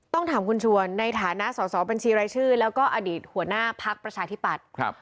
ต้องถามคุณชวนในฐานะสอสอบัญชีรายชื่อแล้วก็อดีตหัวหน้าพักประชาธิปัตย์